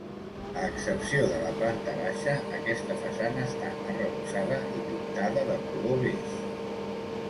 A excepció de la planta baixa, aquesta façana està arrebossada i pintada de color beix.